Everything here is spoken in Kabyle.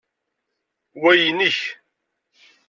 Wa inek.